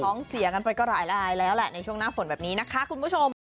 เสียกันไปก็หลายลายแล้วแหละในช่วงหน้าฝนแบบนี้นะคะคุณผู้ชม